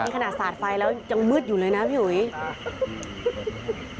นี่ขนาดสาดไฟแล้วยังมืดอยู่เลยนะพี่หุย